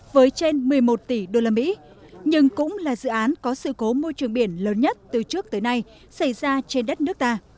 với trên một mươi một tỷ usd nhưng cũng là dự án có sự cố môi trường biển lớn nhất từ trước tới nay xảy ra trên đất nước ta